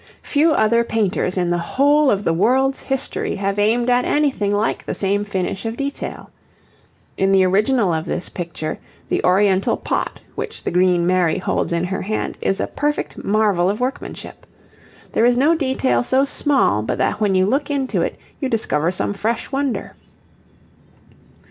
Few other painters in the whole of the world's history have aimed at anything like the same finish of detail. In the original of this picture the oriental pot which the green Mary holds in her hand is a perfect marvel of workmanship. There is no detail so small but that when you look into it you discover some fresh wonder.